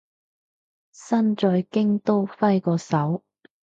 身在京都揮個手